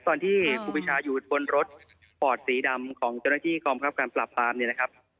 ครูปีชาอยู่บนรถฟอร์ดสีดำของเจ้าหน้าที่กองคับการปราบปรามเนี่ยนะครับ